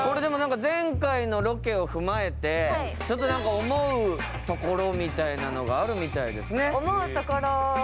前回のロケを踏まえて、思うところみたいなのがあるみたいですね。